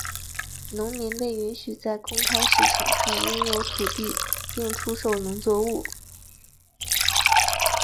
农民被允许在公开市场上拥有土地并出售农作物。